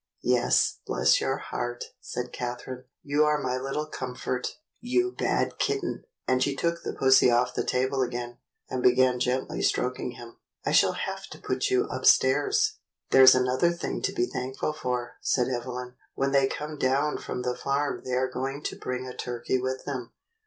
"Yes, bless your heart," said Catherine. "You are my little comfort. You bad kitten!" And she 136 THE BLUE AUNT took the pussy off the table again, and began gently stroking him. "I shall have to put you upstairs." "There's another thing to be thankful for," said Evelyn. "When they come down from the farm they are going to bring a turkey with them.